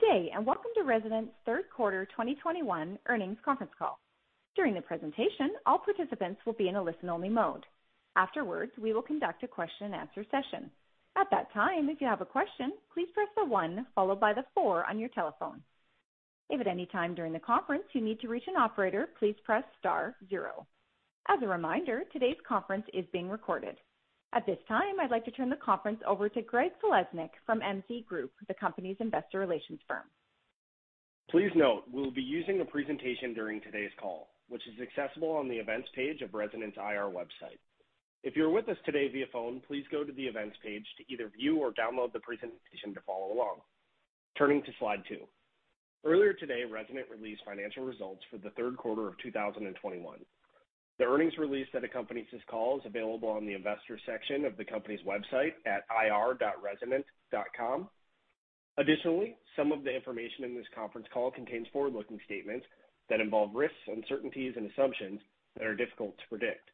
Good day, and welcome to Resonant's third quarter 2021 earnings conference call. During the presentation, all participants will be in a listen-only mode. Afterwards, we will conduct a question-and-answer session. At that time, if you have a question, please press the one followed by the four on your telephone. If at any time during the conference you need to reach an operator, please press star zero. As a reminder, today's conference is being recorded. At this time, I'd like to turn the conference over to Greg Falesnik from MZ Group, the company's investor relations firm. Please note we will be using a presentation during today's call, which is accessible on the events page of Resonant's IR website. If you're with us today via phone, please go to the events page to either view or download the presentation to follow along. Turning to slide 2. Earlier today, Resonant released financial results for the third quarter of 2021. The earnings release that accompanies this call is available on the investor section of the company's website at ir.resonant.com. Additionally, some of the information in this conference call contains forward-looking statements that involve risks, uncertainties, and assumptions that are difficult to predict.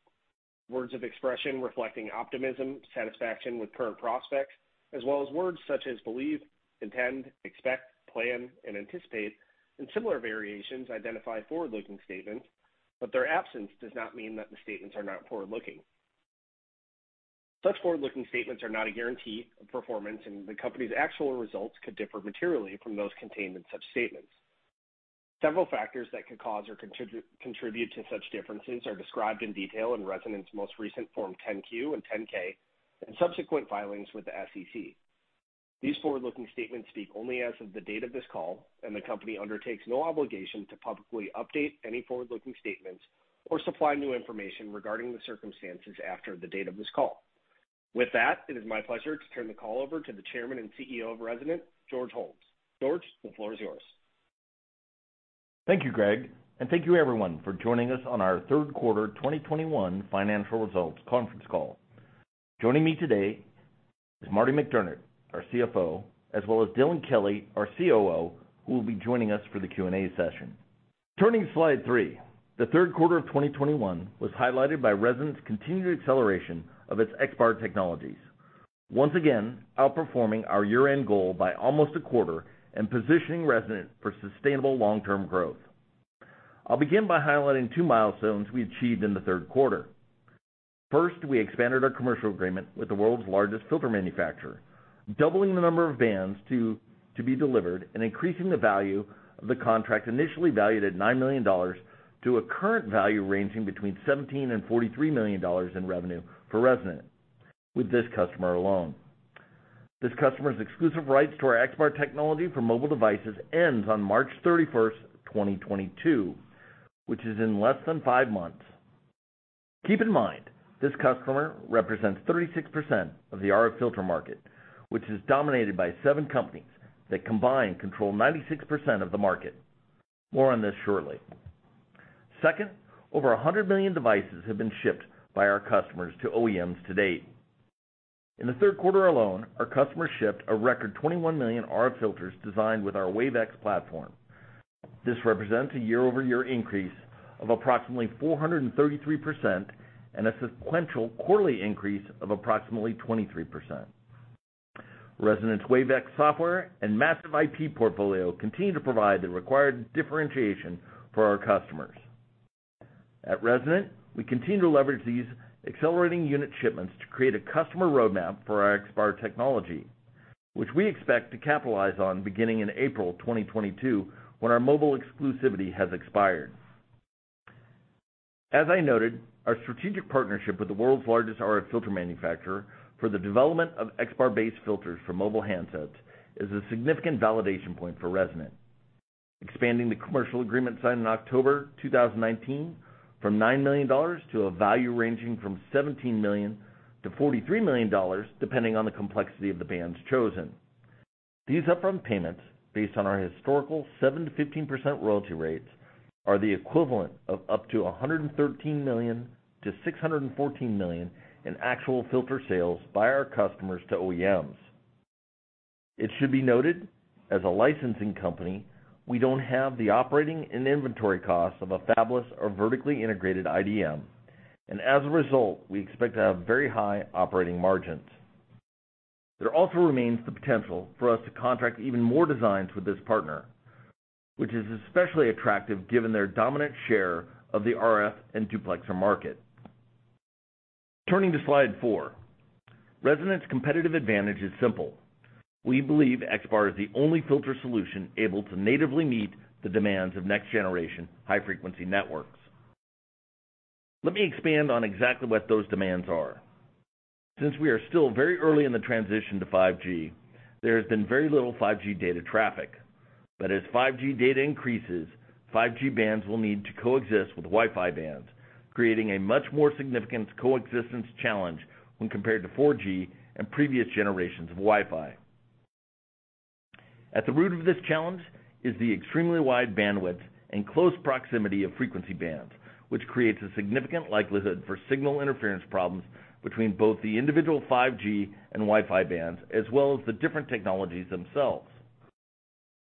Words of expression reflecting optimism, satisfaction with current prospects, as well as words such as believe, intend, expect, plan, and anticipate, and similar variations identify forward-looking statements, but their absence does not mean that the statements are not forward-looking. Such forward-looking statements are not a guarantee of performance, and the Company's actual results could differ materially from those contained in such statements. Several factors that could cause or contribute to such differences are described in detail in Resonant's most recent Form 10-Q and 10-K and subsequent filings with the SEC. These forward-looking statements speak only as of the date of this call, and the Company undertakes no obligation to publicly update any forward-looking statements or supply new information regarding the circumstances after the date of this call. With that, it is my pleasure to turn the call over to the Chairman and CEO of Resonant, George Holmes. George, the floor is yours. Thank you, Greg, and thank you everyone for joining us on our third quarter 2021 financial results conference call. Joining me today is Marty McDermut, our CFO, as well as Dylan Kelly, our COO, who will be joining us for the Q&A session. Turning to slide 3. The third quarter of 2021 was highlighted by Resonant's continued acceleration of its XBAR technologies, once again outperforming our year-end goal by almost a quarter and positioning Resonant for sustainable long-term growth. I'll begin by highlighting two milestones we achieved in the third quarter. First, we expanded our commercial agreement with the world's largest filter manufacturer, doubling the number of bands to be delivered and increasing the value of the contract initially valued at $9 million to a current value ranging between $17 million and $43 million in revenue for Resonant with this customer alone. This customer's exclusive rights to our XBAR technology for mobile devices ends on March 31st, 2022, which is in less than five months. Keep in mind, this customer represents 36% of the RF filter market, which is dominated by seven companies that combine control 96% of the market. More on this shortly. Second, over 100 million devices have been shipped by our customers to OEMs to date. In the third quarter alone, our customers shipped a record 21 million RF filters designed with our WaveX platform. This represents a year-over-year increase of approximately 433% and a sequential quarterly increase of approximately 23%. Resonant's WaveX software and massive IP portfolio continue to provide the required differentiation for our customers. At Resonant, we continue to leverage these accelerating unit shipments to create a customer roadmap for our XBAR technology, which we expect to capitalize on beginning in April 2022, when our mobile exclusivity has expired. As I noted, our strategic partnership with the world's largest RF filter manufacturer for the development of XBAR-based filters for mobile handsets is a significant validation point for Resonant, expanding the commercial agreement signed in October 2019 from $9 million to a value ranging from $17 million- $43 million, depending on the complexity of the bands chosen. These upfront payments, based on our historical 7%-15% royalty rates, are the equivalent of up to $113 million-$614 million in actual filter sales by our customers to OEMs. It should be noted, as a licensing company, we don't have the operating and inventory costs of a fabless or vertically integrated IDM, and as a result, we expect to have very high operating margins. There also remains the potential for us to contract even more designs with this partner, which is especially attractive given their dominant share of the RF and duplexer market. Turning to slide 4. Resonant's competitive advantage is simple. We believe XBAR is the only filter solution able to natively meet the demands of next-generation high-frequency networks. Let me expand on exactly what those demands are. Since we are still very early in the transition to 5G, there has been very little 5G data traffic. As 5G data increases, 5G bands will need to coexist with Wi-Fi bands, creating a much more significant coexistence challenge when compared to 4G and previous generations of Wi-Fi. At the root of this challenge is the extremely wide bandwidth and close proximity of frequency bands, which creates a significant likelihood for signal interference problems between both the individual 5G and Wi-Fi bands, as well as the different technologies themselves.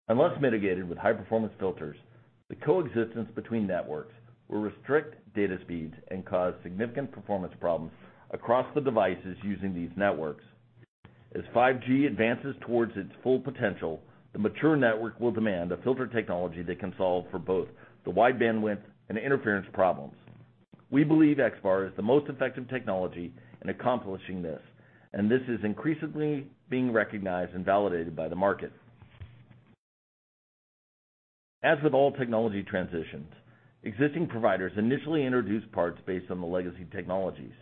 Unless mitigated with high-performance filters. The coexistence between networks will restrict data speeds and cause significant performance problems across the devices using these networks. As 5G advances towards its full potential, the mature network will demand a filter technology that can solve for both the wide bandwidth and interference problems. We believe XBAR is the most effective technology in accomplishing this, and this is increasingly being recognized and validated by the market. As with all technology transitions, existing providers initially introduce parts based on the legacy technologies.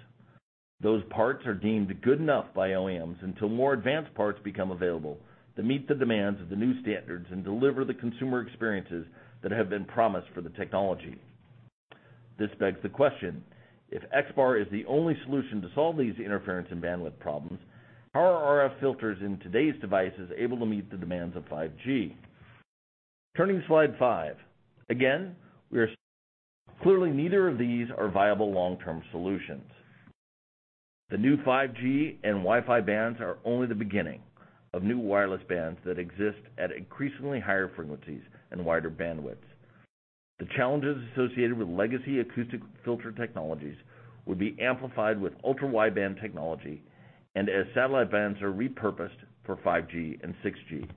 Those parts are deemed good enough by OEMs until more advanced parts become available to meet the demands of the new standards and deliver the consumer experiences that have been promised for the technology. This begs the question: if XBAR is the only solution to solve these interference and bandwidth problems, how are RF filters in today's devices able to meet the demands of 5G? Turning to slide 5. Clearly, neither of these are viable long-term solutions. The new 5G and Wi-Fi bands are only the beginning of new wireless bands that exist at increasingly higher frequencies and wider bandwidths. The challenges associated with legacy acoustic filter technologies would be amplified with ultra-wideband technology and as satellite bands are repurposed for 5G and 6G.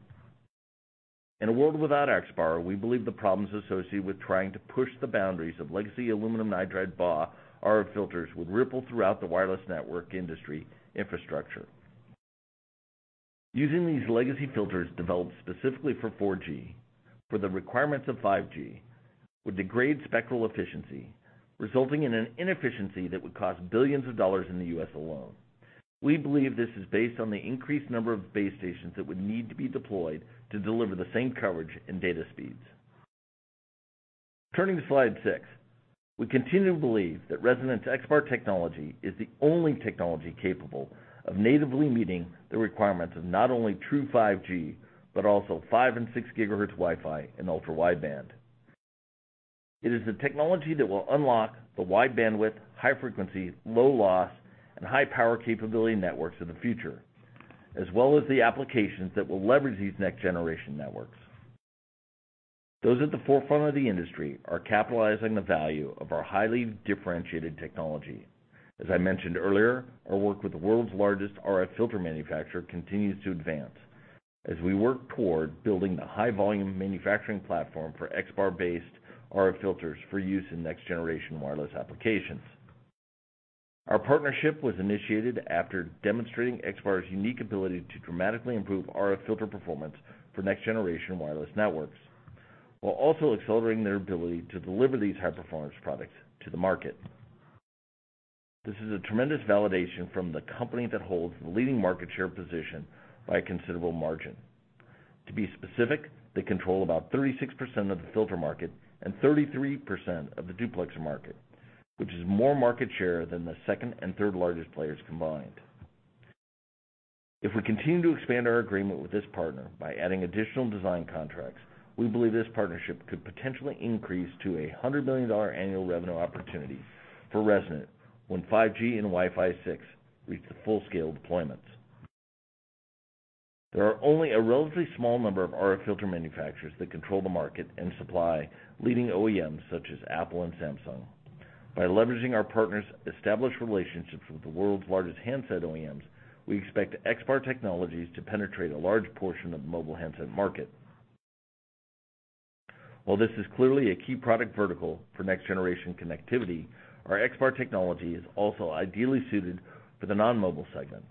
In a world without XBAR, we believe the problems associated with trying to push the boundaries of legacy aluminum nitride BAW RF filters would ripple throughout the wireless network industry infrastructure. Using these legacy filters developed specifically for 4G for the requirements of 5G would degrade spectral efficiency, resulting in an inefficiency that would cost $ billions in the U.S. alone. We believe this is based on the increased number of base stations that would need to be deployed to deliver the same coverage and data speeds. Turning to slide 6. We continue to believe that Resonant's XBAR technology is the only technology capable of natively meeting the requirements of not only true 5G, but also 5 GHz and 6 GHz Wi-Fi and ultra-wideband. It is the technology that will unlock the wide bandwidth, high frequency, low loss, and high power capability networks of the future, as well as the applications that will leverage these next-generation networks. Those at the forefront of the industry are capitalizing on the value of our highly differentiated technology. As I mentioned earlier, our work with the world's largest RF filter manufacturer continues to advance as we work toward building the high-volume manufacturing platform for XBAR-based RF filters for use in next-generation wireless applications. Our partnership was initiated after demonstrating XBAR's unique ability to dramatically improve RF filter performance for next-generation wireless networks, while also accelerating their ability to deliver these high-performance products to the market. This is a tremendous validation from the company that holds the leading market share position by a considerable margin. To be specific, they control about 36% of the filter market and 33% of the duplexer market, which is more market share than the second and third largest players combined. If we continue to expand our agreement with this partner by adding additional design contracts, we believe this partnership could potentially increase to a $100 billion annual revenue opportunity for Resonant when 5G and Wi-Fi 6 reach the full-scale deployments. There are only a relatively small number of RF filter manufacturers that control the market and supply leading OEMs such as Apple and Samsung. By leveraging our partners' established relationships with the world's largest handset OEMs, we expect XBAR technologies to penetrate a large portion of the mobile handset market. While this is clearly a key product vertical for next-generation connectivity, our XBAR technology is also ideally suited for the non-mobile segment.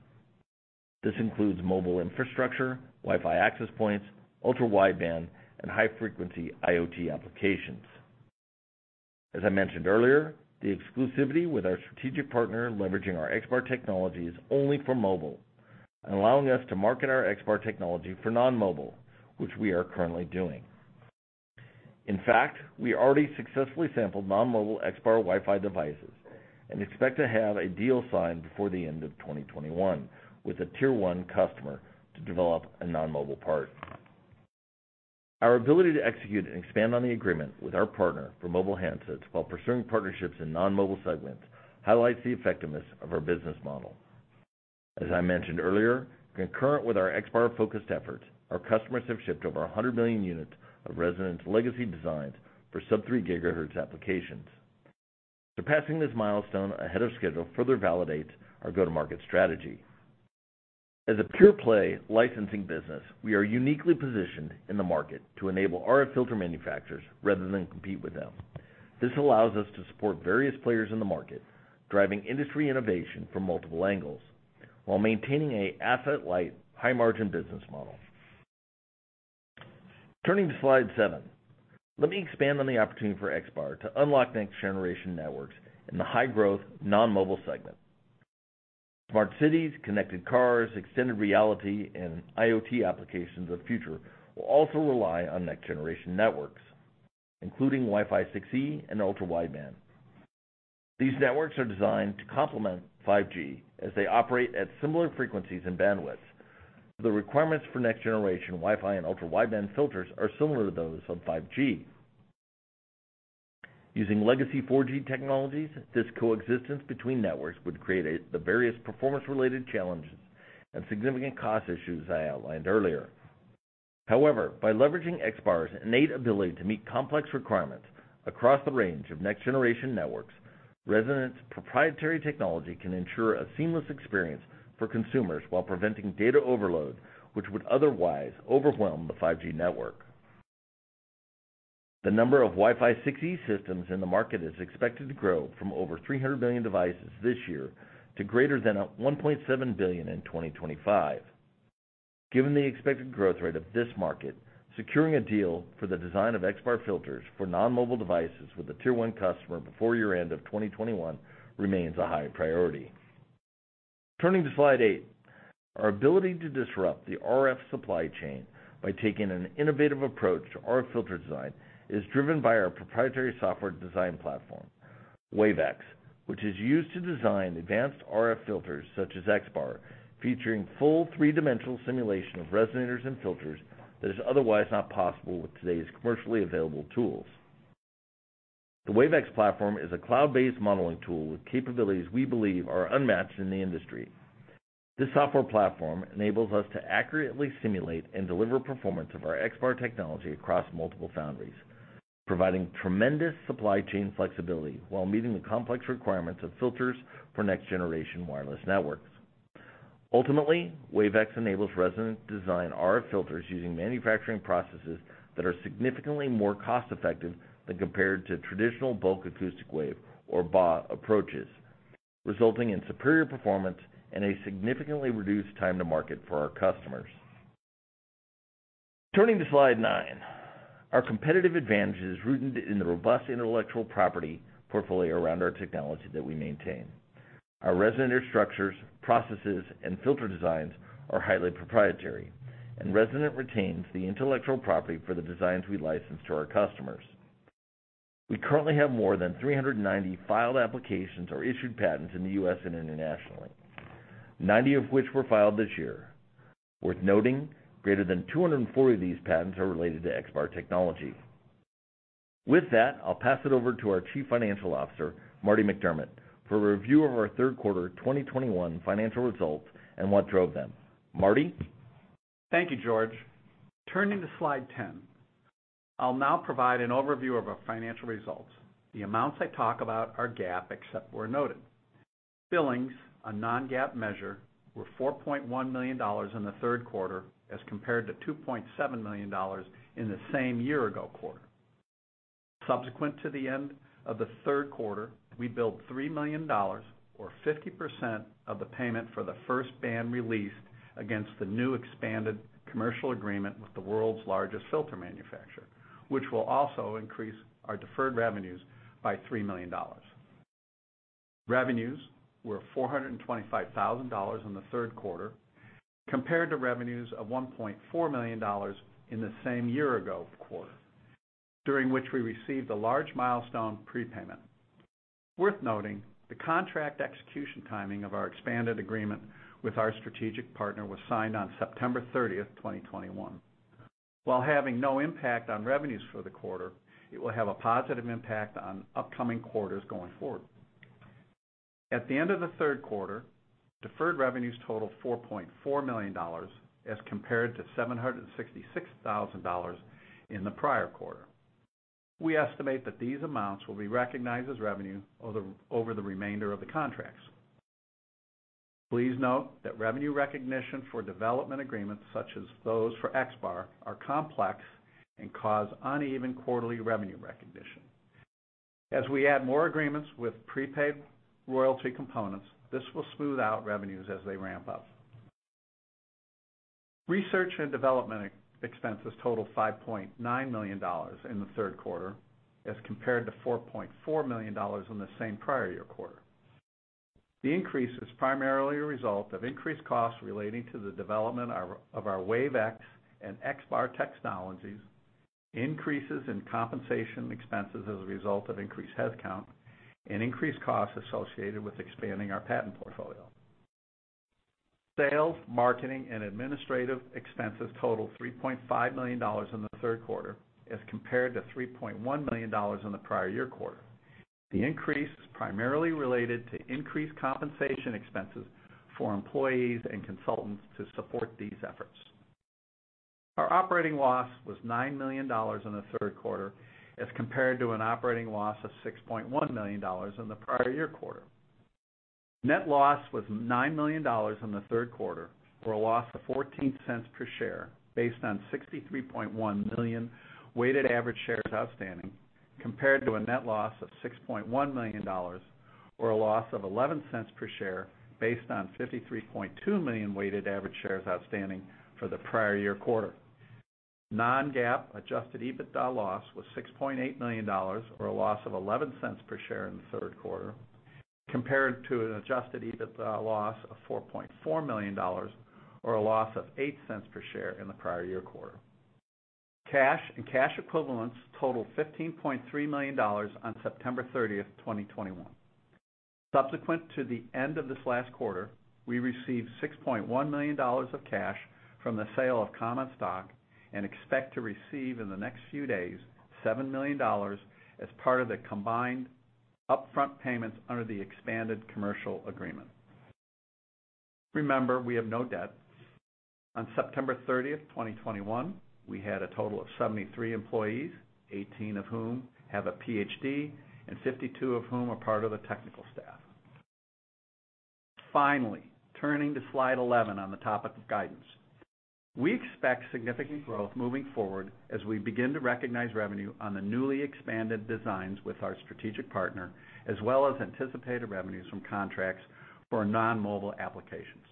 This includes mobile infrastructure, Wi-Fi access points, ultra-wideband, and high-frequency IoT applications. As I mentioned earlier, the exclusivity with our strategic partner leveraging our XBAR technology is only for mobile and allowing us to market our XBAR technology for non-mobile, which we are currently doing. In fact, we already successfully sampled non-mobile XBAR Wi-Fi devices and expect to have a deal signed before the end of 2021 with a tier one customer to develop a non-mobile part. Our ability to execute and expand on the agreement with our partner for mobile handsets while pursuing partnerships in non-mobile segments highlights the effectiveness of our business model. As I mentioned earlier, concurrent with our XBAR-focused efforts, our customers have shipped over 100 million units of Resonant's legacy designs for sub-3 GHz applications. Surpassing this milestone ahead of schedule further validates our go-to-market strategy. As a pure-play licensing business, we are uniquely positioned in the market to enable RF filter manufacturers rather than compete with them. This allows us to support various players in the market, driving industry innovation from multiple angles while maintaining an asset-light, high-margin business model. Turning to slide 7. Let me expand on the opportunity for XBAR to unlock next-generation networks in the high-growth non-mobile segment. Smart cities, connected cars, extended reality, and IoT applications of the future will also rely on next-generation networks, including Wi-Fi 6E and ultra-wideband. These networks are designed to complement 5G as they operate at similar frequencies and bandwidths. The requirements for next-generation Wi-Fi and ultra-wideband filters are similar to those of 5G. Using legacy 4G technologies, this coexistence between networks would create the various performance-related challenges and significant cost issues I outlined earlier. However, by leveraging XBAR's innate ability to meet complex requirements across the range of next-generation networks, Resonant's proprietary technology can ensure a seamless experience for consumers while preventing data overload, which would otherwise overwhelm the 5G network. The number of Wi-Fi 6E systems in the market is expected to grow from over 300 million devices this year to greater than 1.7 billion in 2025. Given the expected growth rate of this market, securing a deal for the design of XBAR filters for non-mobile devices with a tier one customer before year-end of 2021 remains a high priority. Turning to slide 8. Our ability to disrupt the RF supply chain by taking an innovative approach to RF filter design is driven by our proprietary software design platform, WaveX, which is used to design advanced RF filters such as XBAR, featuring full three-dimensional simulation of resonators and filters that is otherwise not possible with today's commercially available tools. The WaveX platform is a cloud-based modeling tool with capabilities we believe are unmatched in the industry. This software platform enables us to accurately simulate and deliver performance of our XBAR technology across multiple foundries, providing tremendous supply chain flexibility while meeting the complex requirements of filters for next-generation wireless networks. Ultimately, WaveX enables Resonant design RF filters using manufacturing processes that are significantly more cost-effective than compared to traditional bulk acoustic wave, or BAW, approaches, resulting in superior performance and a significantly reduced time to market for our customers. Turning to slide 9. Our competitive advantage is rooted in the robust intellectual property portfolio around our technology that we maintain. Our resonator structures, processes, and filter designs are highly proprietary, and Resonant retains the intellectual property for the designs we license to our customers. We currently have more than 390 filed applications or issued patents in the U.S. and internationally, 90 of which were filed this year. Worth noting, greater than 240 of these patents are related to XBAR technology. With that, I'll pass it over to our Chief Financial Officer, Marty McDermut, for a review of our third quarter 2021 financial results and what drove them. Marty? Thank you, George. Turning to slide 10. I'll now provide an overview of our financial results. The amounts I talk about are GAAP, except where noted. Billings, a non-GAAP measure, were $4.1 million in the third quarter as compared to $2.7 million in the same year-ago quarter. Subsequent to the end of the third quarter, we billed $3 million or 50% of the payment for the first band released against the new expanded commercial agreement with the world's largest filter manufacturer, which will also increase our deferred revenues by $3 million. Revenues were $425,000 in the third quarter, compared to revenues of $1.4 million in the same year-ago quarter, during which we received a large milestone prepayment. Worth noting, the contract execution timing of our expanded agreement with our strategic partner was signed on September 30th, 2021. While having no impact on revenues for the quarter, it will have a positive impact on upcoming quarters going forward. At the end of the third quarter, deferred revenues totaled $4.4 million, as compared to $766,000 in the prior quarter. We estimate that these amounts will be recognized as revenue over the remainder of the contracts. Please note that revenue recognition for development agreements such as those for XBAR are complex and cause uneven quarterly revenue recognition. As we add more agreements with prepaid royalty components, this will smooth out revenues as they ramp up. Research and development expenses totaled $5.9 million in the third quarter as compared to $4.4 million in the same prior year quarter. The increase is primarily a result of increased costs relating to the development of our WaveX and XBAR technologies, increases in compensation expenses as a result of increased headcount, and increased costs associated with expanding our patent portfolio. Sales, marketing, and administrative expenses totaled $3.5 million in the third quarter as compared to $3.1 million in the prior year quarter. The increase is primarily related to increased compensation expenses for employees and consultants to support these efforts. Our operating loss was $9 million in the third quarter as compared to an operating loss of $6.1 million in the prior year quarter. Net loss was $9 million in the third quarter, or a loss of $0.14 per share, based on 63.1 million weighted average shares outstanding, compared to a net loss of $6.1 million, or a loss of S0.11 per share based on 53.2 million weighted average shares outstanding for the prior year quarter. Non-GAAP adjusted EBITDA loss was $6.8 million, or a loss of $0.11 per share in the third quarter, compared to an adjusted EBITDA loss of $4.4 million, or a loss of $0.8 per share in the prior year quarter. Cash and cash equivalents totaled $15.3 million on September 30th, 2021. Subsequent to the end of this last quarter, we received $6.1 million of cash from the sale of common stock and expect to receive in the next few days $7 million as part of the combined upfront payments under the expanded commercial agreement. Remember, we have no debt. On September 30th, 2021, we had a total of 73 employees, 18 of whom have a PhD, and 52 of whom are part of the technical staff. Finally, turning to slide 11 on the topic of guidance. We expect significant growth moving forward as we begin to recognize revenue on the newly expanded designs with our strategic partner, as well as anticipated revenues from contracts for our non-mobile applications.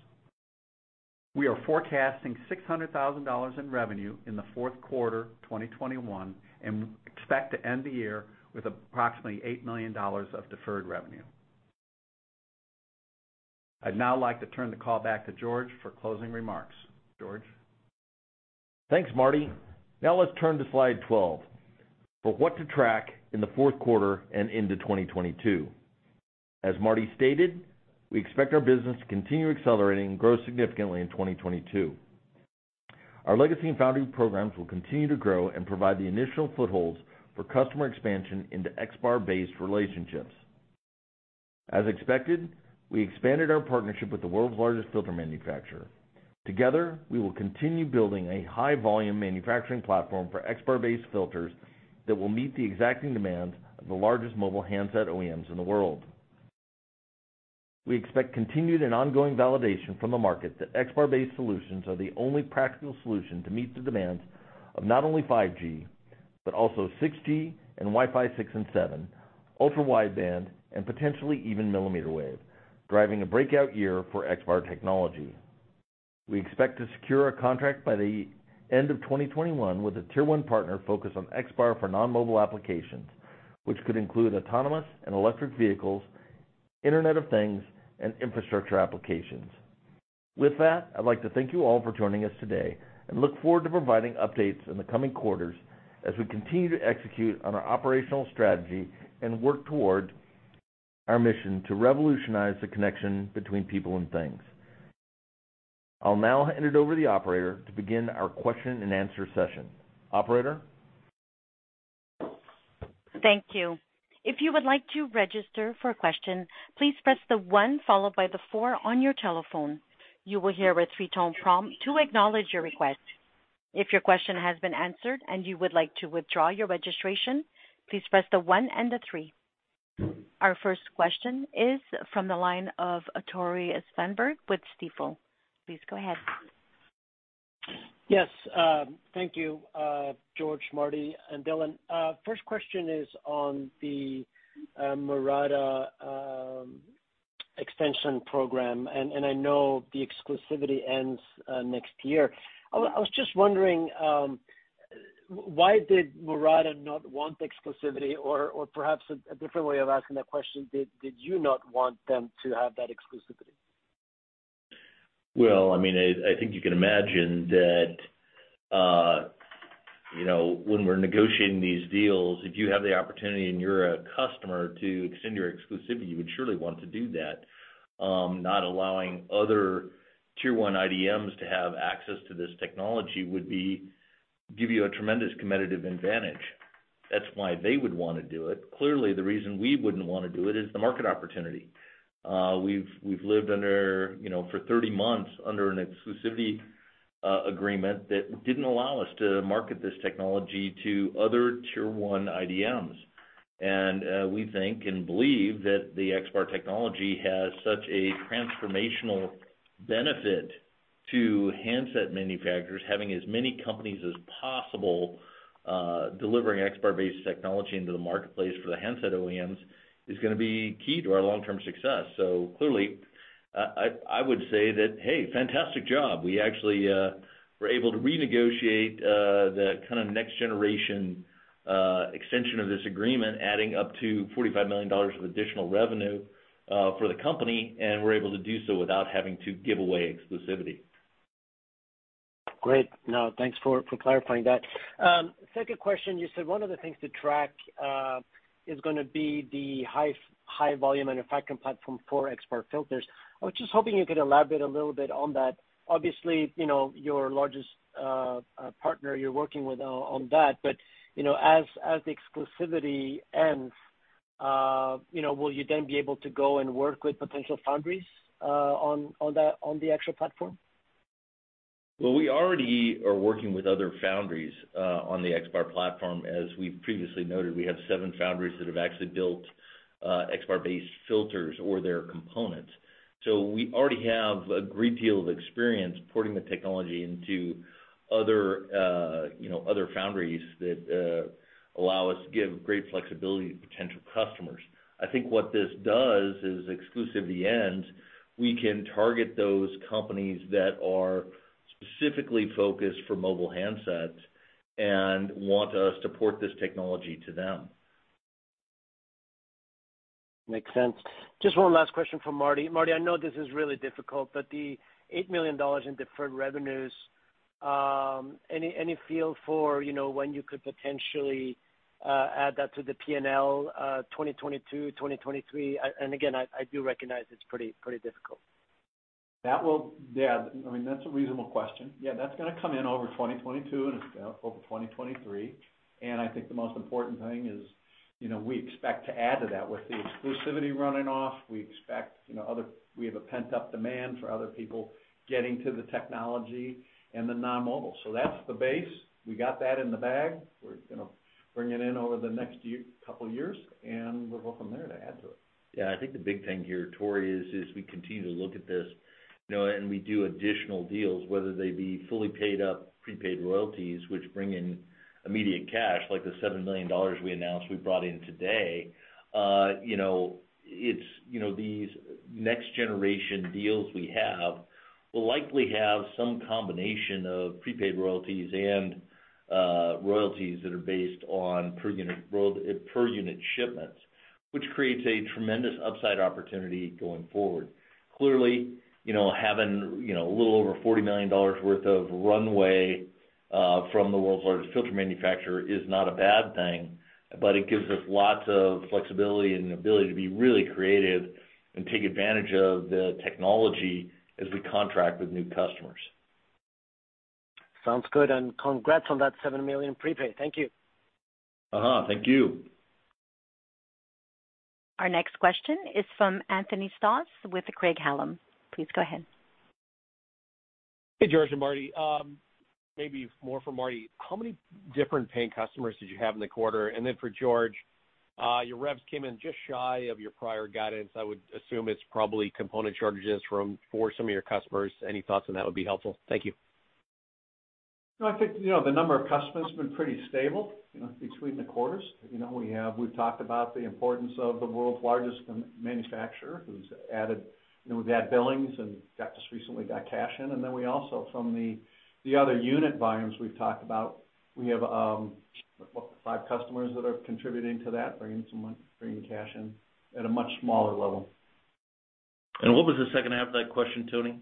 We are forecasting $600,000 in revenue in the fourth quarter, 2021, and expect to end the year with approximately $8 million of deferred revenue. I'd now like to turn the call back to George for closing remarks. George? Thanks, Marty. Now let's turn to slide 12 for what to track in the fourth quarter and into 2022. As Marty stated, we expect our business to continue accelerating and grow significantly in 2022. Our legacy and foundry programs will continue to grow and provide the initial footholds for customer expansion into XBAR-based relationships. As expected, we expanded our partnership with the world's largest filter manufacturer. Together, we will continue building a high volume manufacturing platform for XBAR-based filters that will meet the exacting demands of the largest mobile handset OEMs in the world. We expect continued and ongoing validation from the market that XBAR-based solutions are the only practical solution to meet the demands of not only 5G, but also 6G and Wi-Fi 6 and 7, ultra-wideband, and potentially even millimeter wave, driving a breakout year for XBAR technology. We expect to secure a contract by the end of 2021 with a tier one partner focused on XBAR for non-mobile applications, which could include autonomous and electric vehicles, Internet of Things, and infrastructure applications. With that, I'd like to thank you all for joining us today and look forward to providing updates in the coming quarters as we continue to execute on our operational strategy and work toward our mission to revolutionize the connection between people and things. I'll now hand it over to the operator to begin our question and answer session. Operator? Thank you. If you would like to register for a question, please press the one followed by the four on your telephone. You will hear with a free tone prompt to acknowledge your request. If your question has been answered and you would like to withdraw your registration, please press the one and the three. Our first question is from the line of Tore Svanberg with Stifel. Please go ahead. Yes. Thank you, George, Marty, and Dylan. First question is on the Murata extension program, and I know the exclusivity ends next year. I was just wondering why did Murata not want exclusivity? Or perhaps a different way of asking that question, did you not want them to have that exclusivity? Well, I mean, I think you can imagine that, you know, when we're negotiating these deals, if you have the opportunity and you're a customer to extend your exclusivity, you would surely want to do that. Not allowing other tier one IDMs to have access to this technology would give you a tremendous competitive advantage. That's why they would wanna do it. Clearly, the reason we wouldn't wanna do it is the market opportunity. We've lived under, you know, for 30 months under an exclusivity agreement that didn't allow us to market this technology to other tier one IDMs. We think and believe that the XBAR technology has such a transformational benefit to handset manufacturers, having as many companies as possible, delivering XBAR-based technology into the marketplace for the handset OEMs is gonna be key to our long-term success. Clearly, I would say that, hey, fantastic job. We actually were able to renegotiate the kind of next generation extension of this agreement, adding up to $45 million of additional revenue for the company, and we're able to do so without having to give away exclusivity. Great. No, thanks for clarifying that. Second question. You said one of the things to track is gonna be the high volume manufacturing platform for XBAR filters. I was just hoping you could elaborate a little bit on that. Obviously, you know, your largest partner you're working with on that, but, you know, as the exclusivity ends, you know, will you then be able to go and work with potential foundries on the XBAR platform? Well, we already are working with other foundries on the XBAR platform. As we've previously noted, we have seven foundries that have actually built XBAR-based filters or their components. We already have a great deal of experience porting the technology into other, you know, other foundries that allow us to give great flexibility to potential customers. I think what this does is exclusivity ends, we can target those companies that are specifically focused for mobile handsets and want us to port this technology to them. Makes sense. Just one last question for Marty. Marty, I know this is really difficult, but the $8 million in deferred revenues, any feel for, you know, when you could potentially add that to the P&L, 2022, 2023? Again, I do recognize it's pretty difficult. Yeah, I mean, that's a reasonable question. Yeah, that's gonna come in over 2022 and it's gonna help over 2023. I think the most important thing is, you know, we expect to add to that. With the exclusivity running off, we expect, you know, other, we have a pent-up demand for other people getting to the technology and the non-mobile. That's the base. We got that in the bag. We're gonna bring it in over the next couple of years, and we're hoping there to add to it. Yeah. I think the big thing here, Tori, is we continue to look at this, you know, and we do additional deals, whether they be fully paid up prepaid royalties, which bring in immediate cash, like the $7 million we announced we brought in today, you know, it's, you know, these next generation deals we have will likely have some combination of prepaid royalties and, royalties that are based on per unit shipments, which creates a tremendous upside opportunity going forward. Clearly, you know, having, you know, a little over $40 million worth of runway, from the world's largest filter manufacturer is not a bad thing, but it gives us lots of flexibility and ability to be really creative and take advantage of the technology as we contract with new customers. Sounds good, and congrats on that $7 million prepaid. Thank you. Uh-huh. Thank you. Our next question is from Anthony Stoss with Craig-Hallum. Please go ahead. Hey, George and Marty. Maybe more for Marty. How many different paying customers did you have in the quarter? For George, your revs came in just shy of your prior guidance. I would assume it's probably component shortages for some of your customers. Any thoughts on that would be helpful. Thank you. No, I think, you know, the number of customers has been pretty stable, you know, between the quarters. You know, we've talked about the importance of the world's largest manufacturer who's added, you know, we've had billings and got this recently, got cash in. We also from the other unit volumes we've talked about, we have, what, five customers that are contributing to that, bringing some money, bringing cash in at a much smaller level. What was the second half of that question, Tony?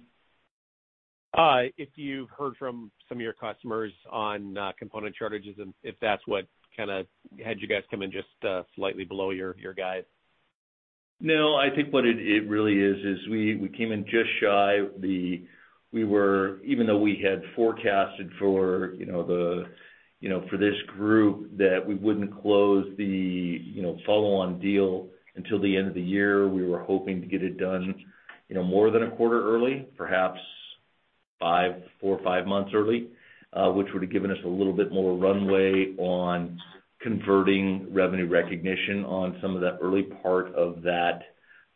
If you've heard from some of your customers on component shortages and if that's what kinda had you guys come in just slightly below your guide? No, I think what it really is is we came in just shy of the. Even though we had forecasted for this group that we wouldn't close the follow-on deal until the end of the year, we were hoping to get it done more than a quarter early, perhaps four or five months early, which would have given us a little bit more runway on converting revenue recognition on some of the early part of that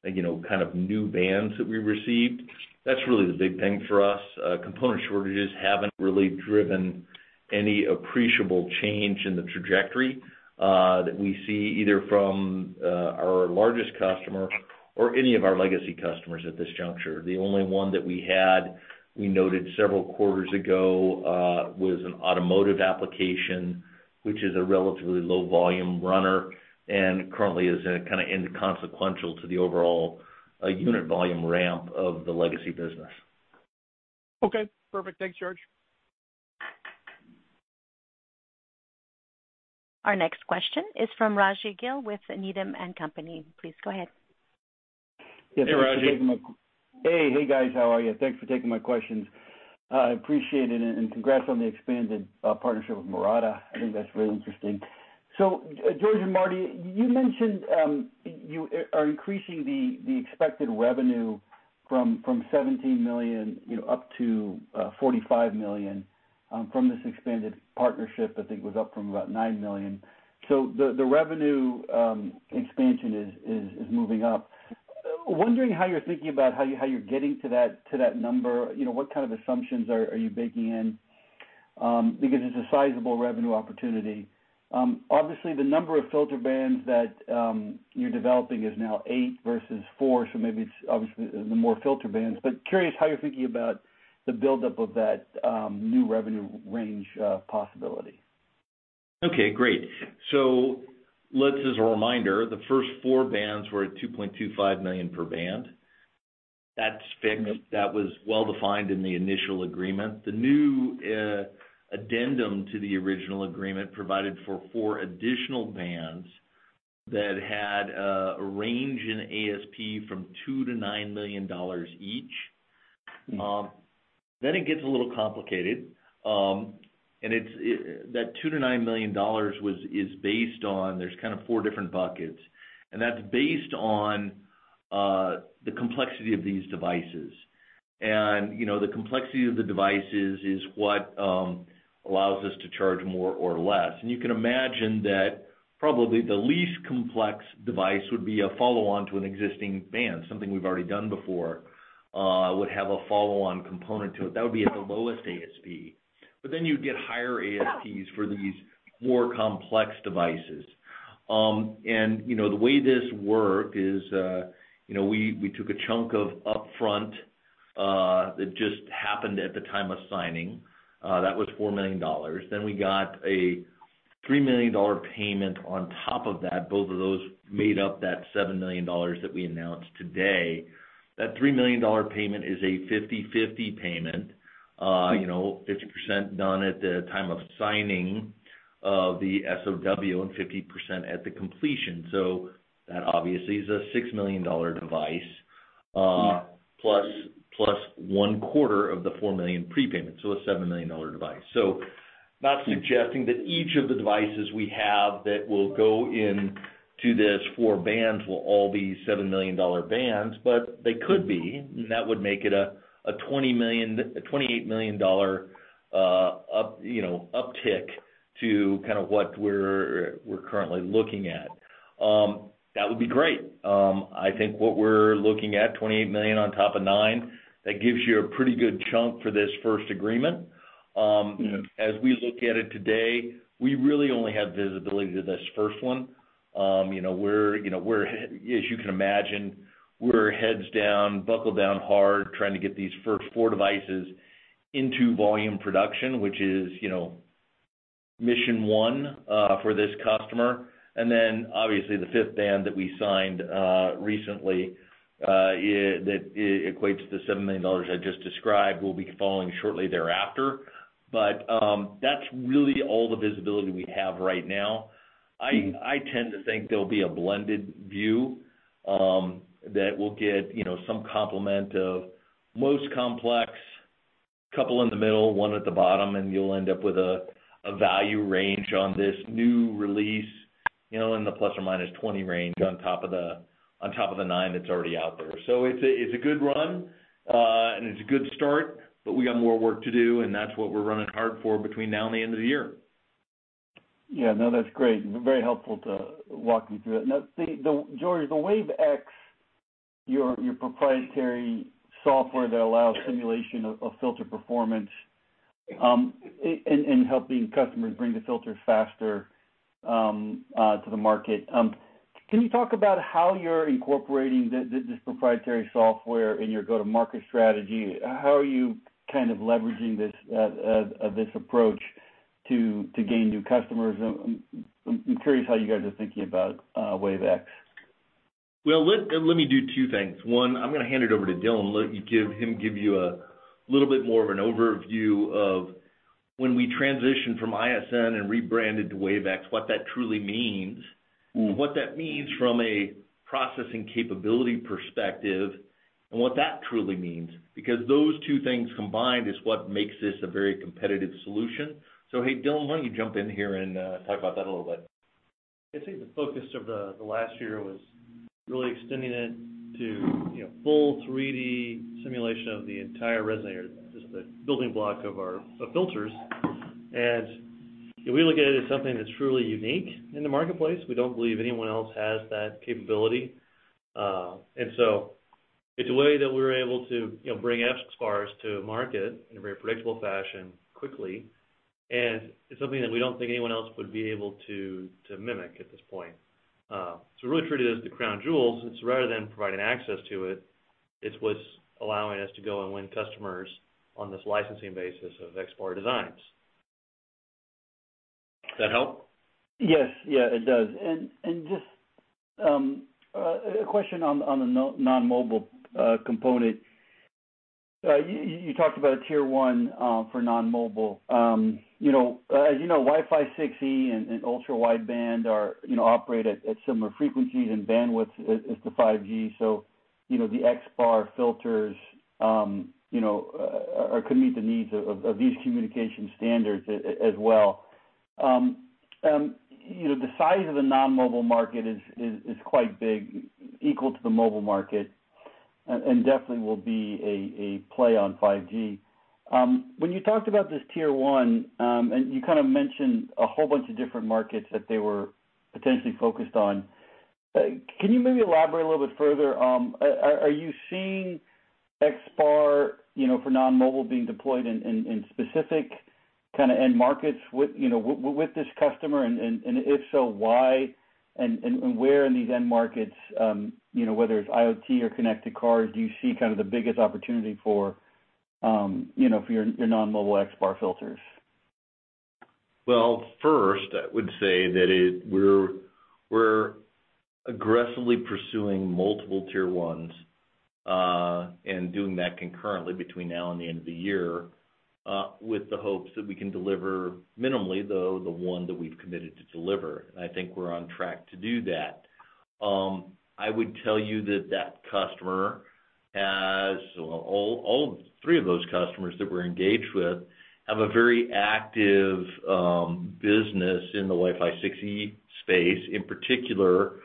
kind of new bands that we received. That's really the big thing for us. Component shortages haven't really driven any appreciable change in the trajectory that we see either from our largest customer or any of our legacy customers at this juncture. The only one that we had, we noted several quarters ago, was an automotive application, which is a relatively low volume runner and currently is, kinda inconsequential to the overall, unit volume ramp of the legacy business. Okay. Perfect. Thanks, George. Our next question is from Raji Gill with Needham & Company. Please go ahead. Hey, Raji. Hey. Hey guys. How are you? Thanks for taking my questions. I appreciate it, and congrats on the expanded partnership with Murata. I think that's really interesting. George and Marty, you mentioned you are increasing the expected revenue from $17 million, you know, up to $45 million from this expanded partnership, I think was up from about $9 million. The revenue expansion is moving up. Wondering how you're thinking about how you're getting to that number. You know, what kind of assumptions are you baking in? Because it's a sizable revenue opportunity. Obviously the number of filter bands that you're developing is now 8 versus 4, so maybe it's obviously the more filter bands. Curious how you're thinking about the buildup of that new revenue range possibility? Okay. Great. As a reminder, the first four bands were at $2.25 million per band. That's fixed. That was well-defined in the initial agreement. The new addendum to the original agreement provided for four additional bands that had a range in ASP from $2 million to $9 million each. Then it gets a little complicated. It is based on. There's kind of four different buckets, and that's based on the complexity of these devices. You know, the complexity of the devices is what allows us to charge more or less. You can imagine that probably the least complex device would be a follow-on to an existing band, something we've already done before, would have a follow-on component to it. That would be at the lowest ASP. you'd get higher ASPs for these more complex devices. You know, the way this worked is, you know, we took a chunk of upfront that just happened at the time of signing. That was $4 million. Then we got a $3 million payment on top of that, both of those made up that $7 million that we announced today. That $3 million payment is a 50/50 payment, you know, 50% done at the time of signing of the SOW and 50% at the completion. That obviously is a $6 million device. Mm-hmm. Plus one quarter of the $4 million prepayment, so a $7 million device. Not suggesting that each of the devices we have that will go into this four bands will all be $7 million bands, but they could be, and that would make it a $28 million uptick to kind of what we're currently looking at. You know, that would be great. I think what we're looking at, $28 million on top of $9 million, that gives you a pretty good chunk for this first agreement. Mm-hmm. As we look at it today, we really only have visibility to this first one. You know, as you can imagine, we're heads down, buckled down hard trying to get these first four devices into volume production, which is, you know, mission one for this customer. Obviously, the fifth band that we signed recently that equates to $7 million I just described will be following shortly thereafter. That's really all the visibility we have right now. Mm-hmm. I tend to think there'll be a blended view that we'll get, you know, some complement of most complex, couple in the middle, one at the bottom, and you'll end up with a value range on this new release, you know, in the ±20 range on top of the nine that's already out there. It's a good run, and it's a good start, but we got more work to do, and that's what we're running hard for between now and the end of the year. Yeah, no, that's great. Very helpful to walk me through that. Now, see, George, the WaveX, your proprietary software that allows simulation of filter performance in helping customers bring the filters faster to the market. Can you talk about how you're incorporating this proprietary software in your go-to-market strategy? How are you kind of leveraging this approach to gain new customers? I'm curious how you guys are thinking about WaveX. Well, let me do two things. One, I'm gonna hand it over to Dylan, let him give you a little bit more of an overview of when we transitioned from ISN and rebranded to WaveX, what that truly means. Mm. What that means from a processing capability perspective, and what that truly means. Because those two things combined is what makes this a very competitive solution. Hey, Dylan, why don't you jump in here and talk about that a little bit. I'd say the focus of the last year was really extending it to, you know, full 3D simulation of the entire resonator, just the building block of our filters. We look at it as something that's truly unique in the marketplace. We don't believe anyone else has that capability. It's a way that we're able to, you know, bring XBARs to market in a very predictable fashion quickly, and it's something that we don't think anyone else would be able to mimic at this point. We really treat it as the crown jewel, since rather than providing access to it's what's allowing us to go and win customers on this licensing basis of XBAR designs. Does that help? Yes. Yeah, it does. Just a question on the non-mobile component. You talked about a tier one for non-mobile. You know, as you know, Wi-Fi 6E and ultra-wideband are, you know, operate at similar frequencies and bandwidth as the 5G. You know, the XBAR filters you know could meet the needs of these communication standards as well. You know, the size of the non-mobile market is quite big, equal to the mobile market, and definitely will be a play on 5G. When you talked about this tier one and you kind of mentioned a whole bunch of different markets that they were potentially focused on, can you maybe elaborate a little bit further? Are you seeing XBAR, you know, for non-mobile being deployed in specific kinda end markets with, you know, with this customer? If so, why and where in these end markets, you know, whether it's IoT or connected cars, do you see kind of the biggest opportunity for, you know, for your non-mobile XBAR filters? Well, first, I would say that we're aggressively pursuing multiple tier ones and doing that concurrently between now and the end of the year with the hopes that we can deliver minimally, though, the one that we've committed to deliver. I think we're on track to do that. I would tell you that all three of those customers that we're engaged with have a very active business in the Wi-Fi 6E space, in particular,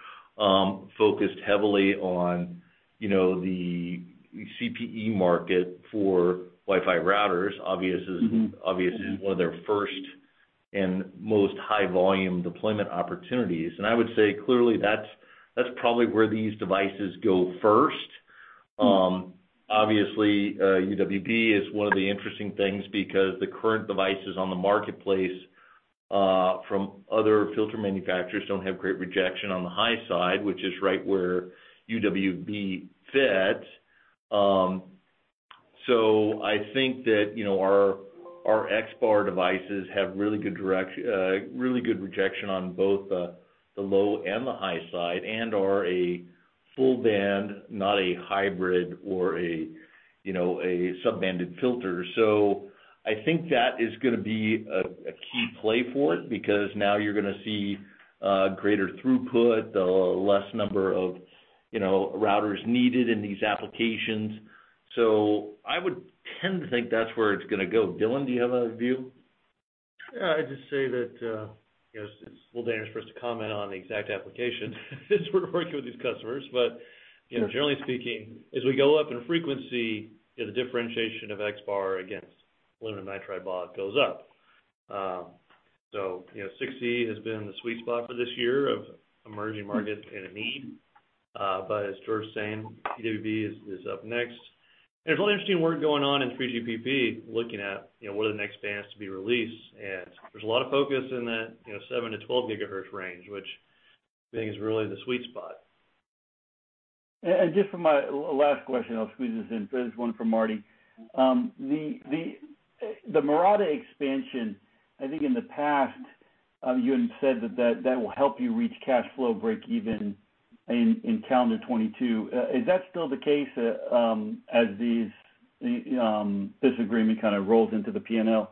focused heavily on, you know, the CPE market for Wi-Fi routers. Mm-hmm. Obviously is one of their first and most high volume deployment opportunities. I would say clearly that's probably where these devices go first. Obviously, UWB is one of the interesting things because the current devices on the marketplace from other filter manufacturers don't have great rejection on the high side, which is right where UWB fits. I think that, you know, our XBAR devices have really good rejection on both the low and the high side and are a full band, not a hybrid or a, you know, a sub-banded filter. I think that is gonna be a key play for it because now you're gonna see greater throughput, less number of routers needed in these applications. I would tend to think that's where it's gonna go. Dylan, do you have a view? Yeah, I'd just say that, you know, it's a little dangerous for us to comment on the exact application since we're working with these customers. You know, generally speaking, as we go up in frequency, you know, the differentiation of XBAR against aluminum nitride BAW goes up. So, you know, Wi-Fi 6E has been the sweet spot for this year of emerging markets and a need. As George was saying, UWB is up next. There's a lot interesting work going on in 3GPP, looking at, you know, what are the next bands to be released. There's a lot of focus in that, you know, 7 GHz-12 GHz range, which I think is really the sweet spot. Just for my last question, I'll squeeze this in. There's one from Marty. The Murata expansion, I think in the past, you had said that that will help you reach cash flow breakeven in calendar 2022. Is that still the case, as this agreement kind of rolls into the P&L?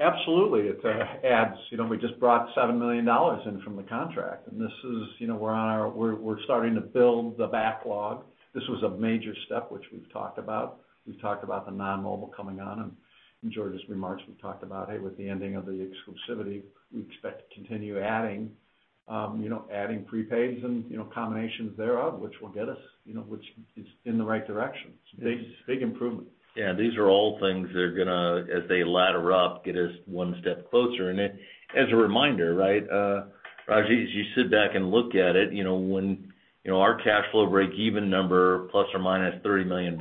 Absolutely. It adds. You know, we just brought $7 million in from the contract, and this is, you know, we're starting to build the backlog. This was a major step, which we've talked about. We've talked about the non-mobile coming on, and in George's remarks, we've talked about, hey, with the ending of the exclusivity, we expect to continue adding, you know, adding prepaids and, you know, combinations thereof, which is in the right direction. It's big improvement. Yeah. These are all things that are gonna, as they ladder up, get us one step closer. As a reminder, right, Raji, as you sit back and look at it, you know, when, you know, our cash flow breakeven number plus or minus $30 million,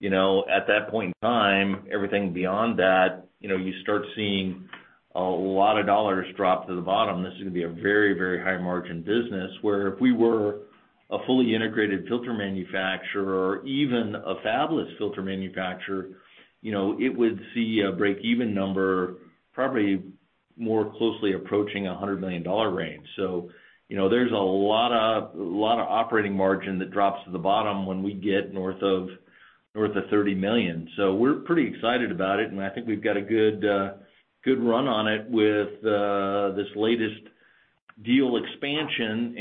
you know, at that point in time, everything beyond that, you know, you start seeing a lot of dollars drop to the bottom. This is gonna be a very, very high margin business, where if we were a fully integrated filter manufacturer or even a fabless filter manufacturer, you know, it would see a breakeven number probably more closely approaching a $100 million range. You know, there's a lot of operating margin that drops to the bottom when we get north of $30 million. We're pretty excited about it, and I think we've got a good run on it with this latest deal expansion.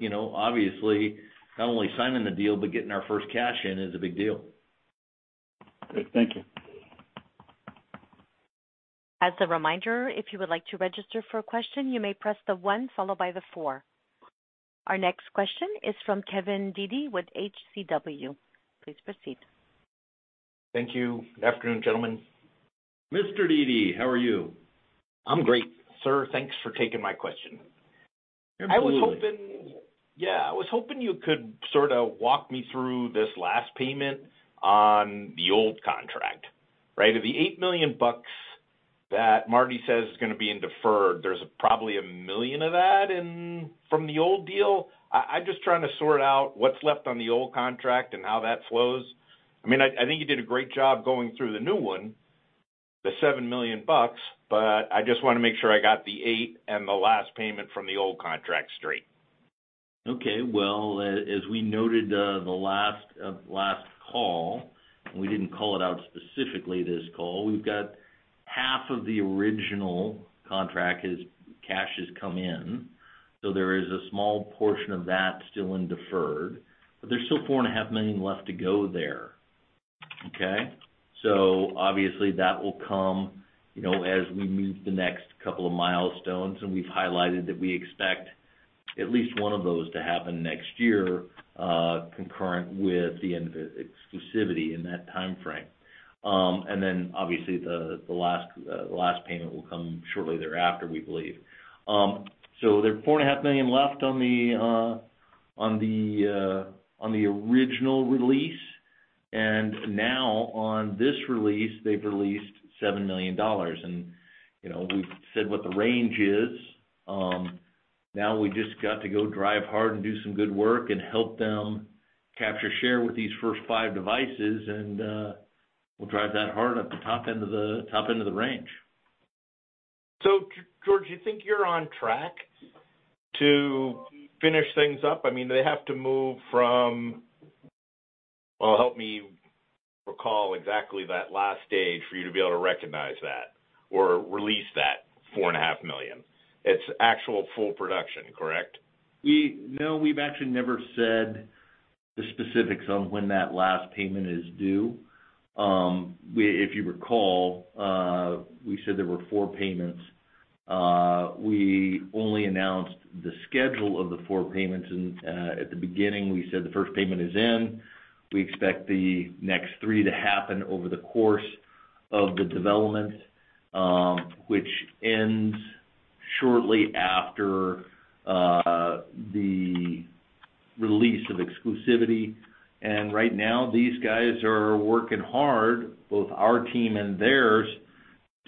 You know, obviously, not only signing the deal, but getting our first cash in is a big deal. Great. Thank you. As a reminder, if you would like to register for a question, you may press the one followed by the four. Our next question is from Kevin Dede with HCW. Please proceed. Thank you. Good afternoon, gentlemen. Mr. Dede, how are you? I'm great, sir. Thanks for taking my question. Absolutely. I was hoping you could sort of walk me through this last payment on the old contract. Right? Of the $8 million that Marty says is gonna be in deferred, there's probably $1 million of that from the old deal. I'm just trying to sort out what's left on the old contract and how that flows. I mean, I think you did a great job going through the new one, the $7 million, but I just wanna make sure I got the $8 million and the last payment from the old contract straight. Okay. Well, as we noted, the last call, we didn't call it out specifically this call. We've got half of the original contract is cash has come in, so there is a small portion of that still in deferred. But there's still $4.5 million left to go there. Okay? Obviously, that will come, you know, as we meet the next couple of milestones, and we've highlighted that we expect at least one of those to happen next year, concurrent with the end of exclusivity in that timeframe. Then obviously the last payment will come shortly thereafter, we believe. There are $4.5 million left on the original release. Now on this release, they've released $7 million. You know, we've said what the range is. Now we just got to go drive hard and do some good work and help them capture share with these first five devices, and we'll drive that hard at the top end of the range. George, you think you're on track to finish things up? I mean, they have to move from well, help me recall exactly that last stage for you to be able to recognize that or release that $4.5 million. It's actual full production, correct? No, we've actually never said the specifics on when that last payment is due. If you recall, we said there were four payments. We only announced the schedule of the four payments. At the beginning, we said the first payment is in. We expect the next three to happen over the course of the development, which ends shortly after the release of exclusivity. Right now, these guys are working hard, both our team and theirs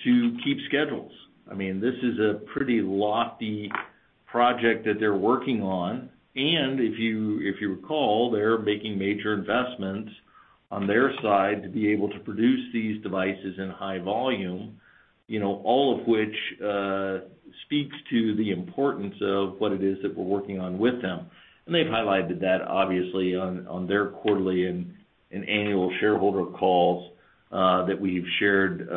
to keep schedules. I mean, this is a pretty lofty project that they're working on. If you recall, they're making major investments on their side to be able to produce these devices in high volume, you know, all of which speaks to the importance of what it is that we're working on with them. They've highlighted that obviously on their quarterly and annual shareholder calls that we've shared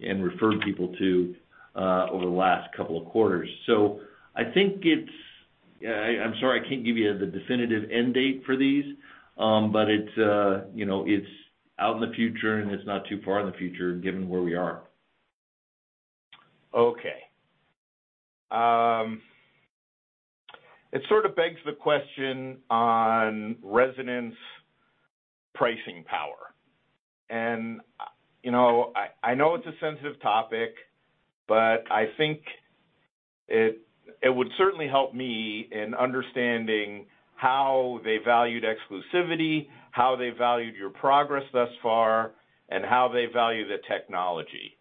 and referred people to over the last couple of quarters. I'm sorry I can't give you the definitive end date for these. It's, you know, it's out in the future and it's not too far in the future given where we are. Okay. It sort of begs the question on Resonant pricing power. You know, I know it's a sensitive topic, but I think it would certainly help me in understanding how they valued exclusivity, how they valued your progress thus far, and how they value the technology.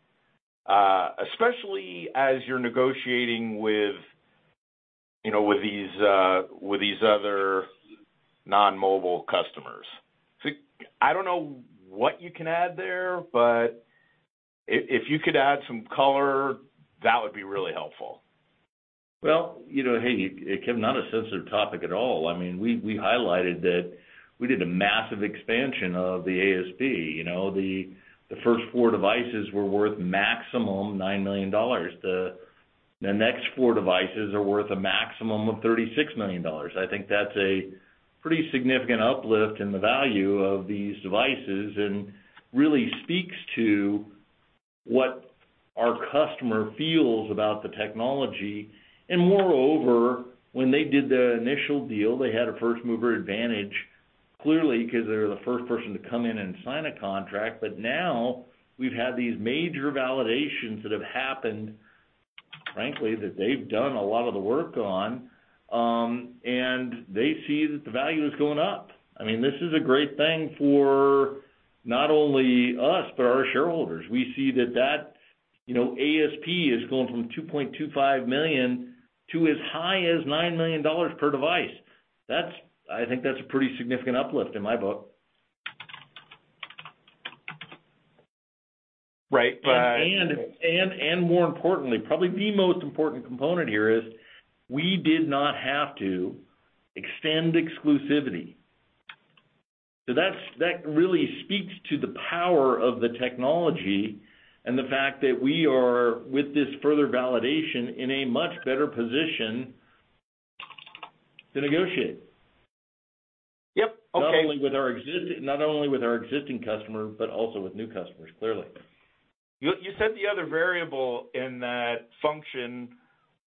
Especially as you're negotiating with, you know, with these other non-mobile customers. I don't know what you can add there, but if you could add some color, that would be really helpful. Well, you know, hey, Kevin, not a sensitive topic at all. I mean, we highlighted that we did a massive expansion of the ASP, you know. The first four devices were worth maximum $9 million. The next four devices are worth a maximum of $36 million. I think that's a pretty significant uplift in the value of these devices and really speaks to what our customer feels about the technology. Moreover, when they did the initial deal, they had a first mover advantage, clearly, 'cause they're the first person to come in and sign a contract. Now we've had these major validations that have happened, frankly, that they've done a lot of the work on, and they see that the value is going up. I mean, this is a great thing for not only us but our shareholders. We see that, you know, ASP is going from $2.25 million-$9 million per device. That's. I think that's a pretty significant uplift in my book. Right. More importantly, probably the most important component here is we did not have to extend exclusivity. That really speaks to the power of the technology and the fact that we are, with this further validation, in a much better position to negotiate. Yep. Okay. Not only with our existing customer, but also with new customers, clearly. You said the other variable in that function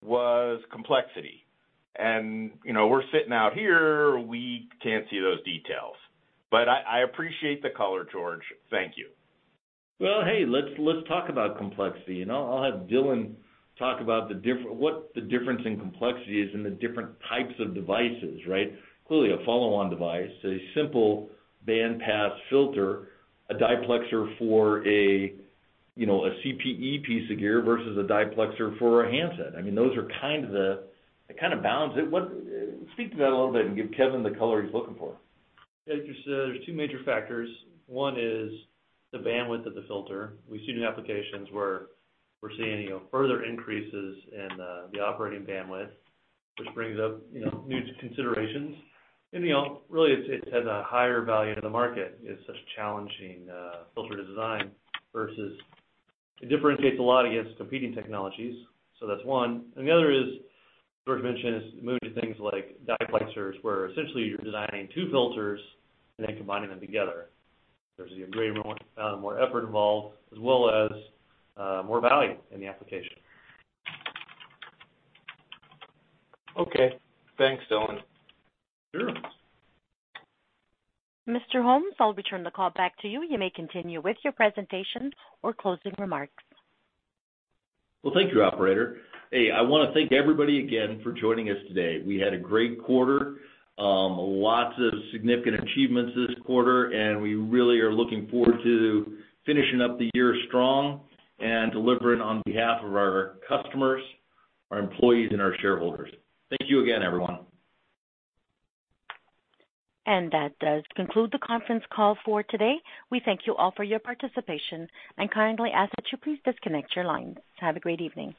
was complexity. You know, we're sitting out here, we can't see those details, but I appreciate the color, George. Thank you. Well, hey, let's talk about complexity, and I'll have Dylan talk about what the difference in complexity is in the different types of devices, right? Clearly, a follow-on device, a simple bandpass filter, a diplexer for a, you know, a CPE piece of gear versus a diplexer for a handset. I mean, those are kind of the, they kind of balance it. Speak to that a little bit and give Kevin the color he's looking for. Yeah, there's two major factors. One is the bandwidth of the filter. We've seen applications where we're seeing, you know, further increases in the operating bandwidth, which brings up, you know, new considerations. You know, really, it's at a higher value to the market. It's such a challenging filter to design. It differentiates a lot against competing technologies. That's one. The other is, George mentioned, is moving to things like diplexers, where essentially you're designing two filters and then combining them together. There's even more effort involved, as well as more value in the application. Okay. Thanks, Dylan. Sure. Mr. Holmes, I'll return the call back to you. You may continue with your presentation or closing remarks. Well, thank you, operator. Hey, I wanna thank everybody again for joining us today. We had a great quarter. Lots of significant achievements this quarter, and we really are looking forward to finishing up the year strong and delivering on behalf of our customers, our employees, and our shareholders. Thank you again, everyone. That does conclude the conference call for today. We thank you all for your participation, and kindly ask that you please disconnect your lines. Have a great evening.